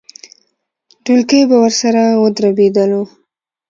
ډولکی به ورسره ودربېدلو.